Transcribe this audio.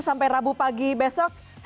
sampai rabu pagi besok